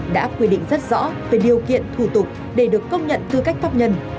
đã quy định rất rõ về điều kiện thủ tục để được công nhận tư cách pháp nhân